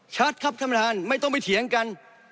ชัดครับท่านประธานไม่ต้องไปเถียงกัน